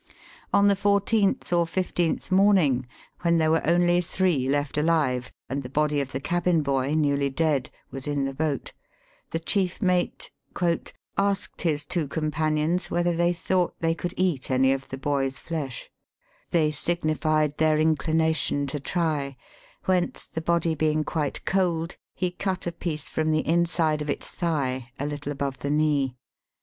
On the fourteenth or fifteenth morning, when there were only three left alive, and the body of the cabin boy, newly dead, was in the boat, the chief mate '' asked his two companions whether they thought they could eat any of the boy's flesh 1 They signified their inclination to try ; whence, the body being quite cold, he cut a piece from the inside of its thigh, a little above the knee.